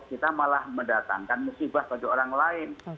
kita malah mendatangkan musibah bagi orang lain